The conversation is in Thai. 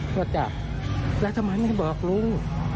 ก็จับแล้วทำไมไม่บอกลุง